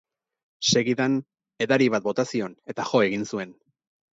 Segidan, edari bat bota zion, eta jo egin zuen.